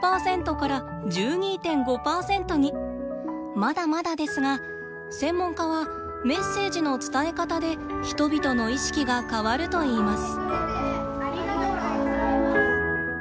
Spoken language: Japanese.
まだまだですが専門家はメッセージの伝え方で人々の意識が変わるといいます。